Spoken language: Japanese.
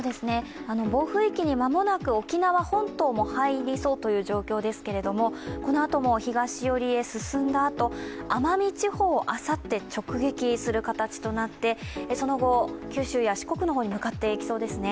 暴風域に間もなく沖縄本島も入りそうという状況ですけれども、このあとも東寄りへ進んだあと、奄美地方をあさって直撃する形となってその後、九州や四国の方に向かっていきそうですね。